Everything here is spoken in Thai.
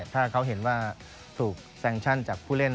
ถ้าเขาเห็นว่าถูกแซงชั่นจากผู้เล่น